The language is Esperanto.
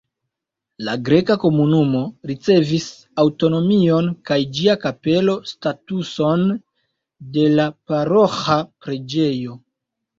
La greka komunumo ricevis aŭtonomion kaj ĝia kapelo statuson de la paroĥa preĝejo.